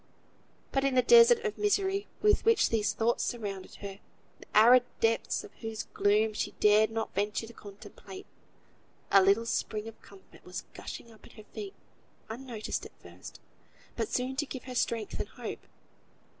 But, in the desert of misery with which these thoughts surrounded her, the arid depths of whose gloom she dared not venture to contemplate, a little spring of comfort was gushing up at her feet, unnoticed at first, but soon to give her strength and hope.